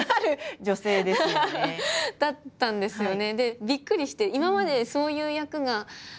だったんですよね。